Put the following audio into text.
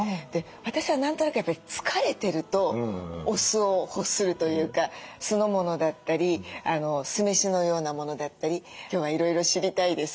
私は何となくやっぱり疲れてるとお酢を欲するというか酢の物だったり酢飯のようなものだったり今日はいろいろ知りたいです。